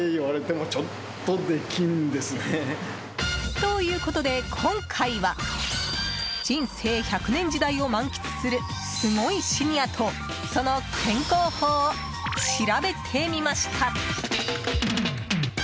ということで今回は人生１００年時代を満喫するすごいシニアとその健康法を調べてみました。